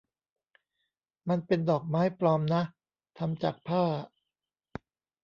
มันเป็นดอกไม้ปลอมนะ ทำจากผ้า